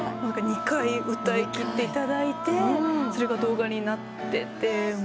２回歌いきっていただいてそれが動画になってて。